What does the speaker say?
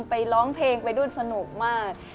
ไปร้องเพลงดูดสนุกมาก